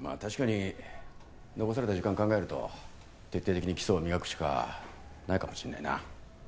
まあ確かに残された時間を考えると徹底的に基礎を磨くしかないかもしれないな。